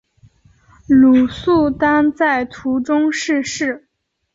鲁速丹在途中逝世。